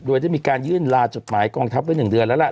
โดยได้มีการยื่นลาจดหมายกองทัพไว้๑เดือนแล้วล่ะ